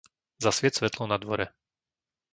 Zasvieť svetlo na dvore.